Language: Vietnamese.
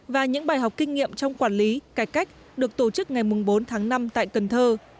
và những bài học kinh nghiệm trong quản lý cải cách được tổ chức ngày bốn tháng năm tại cần thơ